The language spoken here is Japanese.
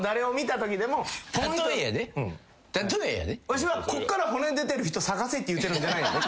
わしはこっから骨出てる人探せって言うてるんじゃない。